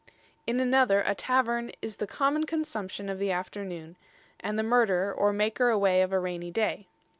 In another, a tavern "is the common consumption of the Afternoone, and the murderer, or maker away of a rainy day.